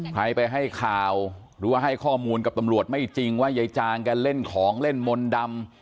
ใครไปให้ข่าวหรือว่าให้ข้อมูลกับตำรวจไม่จริงว่ายายจางแกเล่นของเล่นมนต์ดำ